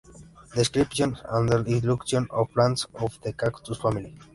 Descriptions and illustrations of plants of the cactus family".